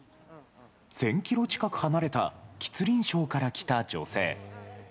１０００キロ近く離れた吉林省から来た女性。